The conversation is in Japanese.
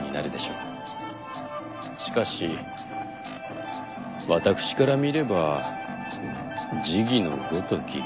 しかし私から見れば児戯のごとき下策かと。